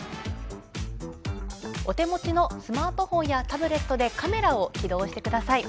お手持ちのスマートフォンやタブレットでカメラを起動してください。